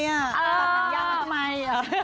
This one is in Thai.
ตัดหนังย่างมาทำไม